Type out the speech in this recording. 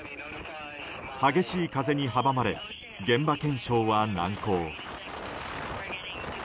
激しい風に阻まれ現場検証は難航。